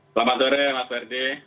selamat sore mas berdi